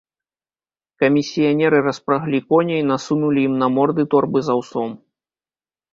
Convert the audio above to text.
Камісіянеры распраглі коней, насунулі ім на морды торбы з аўсом.